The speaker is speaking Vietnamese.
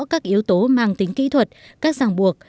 các yếu tố mang tính kỹ thuật các giảng buộc